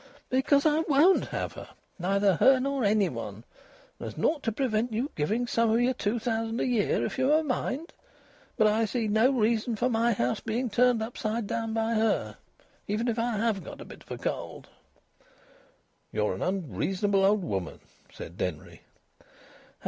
"Because I won't have her! Neither her nor any one. There's naught to prevent you giving her some o' your two thousand a year if you've a mind. But I see no reason for my house being turned upside down by her, even if I have got a bit of a cold." "You're an unreasonable old woman," said Denry.